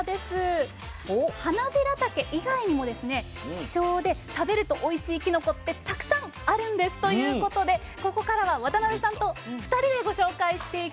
希少で食べるとおいしいきのこってたくさんあるんですということでここからは渡辺さんと２人でご紹介していきます。